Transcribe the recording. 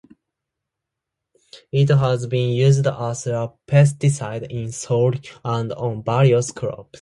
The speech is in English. It has been used as a pesticide in soil and on various crops.